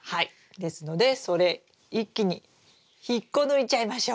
ですのでそれ一気に引っこ抜いちゃいましょう。